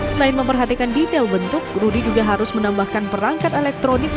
selain memperhatikan detail bentuk rudy juga harus menambahkan perangkat elektronik